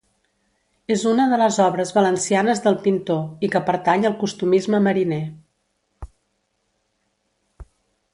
És una de les obres valencianes del pintor, i que pertany al costumisme mariner.